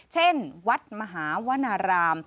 เช่นวัดมหาวนาราม